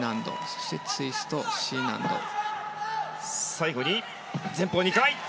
最後に前方２回。